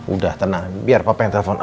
udah tenang biar papa yang telfon al